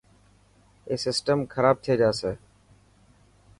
اي سسٽم خراب ٿي جاسي.